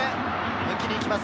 抜きに行きます。